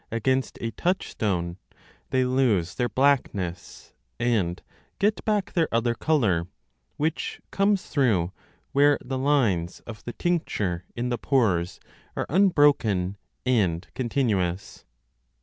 against a touchstone, they 793 b lose their blackness and get back their other colour, which comes through where the lines of the tincture in the pores are unbroken and continuous.